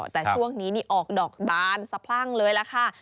แต่ช่วงนี้นี่ออกดอกบานสะพรั่งเลยล่ะค่ะ